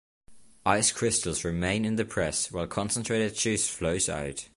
Ice crystals remain in the press, while concentrated juice flows out.